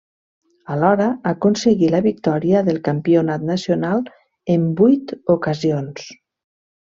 Alhora, aconseguí la victòria del campionat nacional en vuit ocasions.